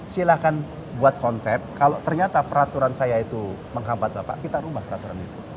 silahkan buat konsep kalau ternyata peraturan saya itu menghambat bapak kita ubah peraturan itu